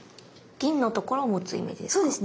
銀のところを持つイメージですね。